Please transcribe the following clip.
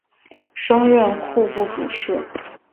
升任户部主事。